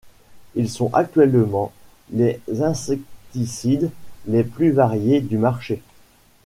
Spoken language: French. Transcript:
Ils sont actuellement les insecticides les plus variés du marché.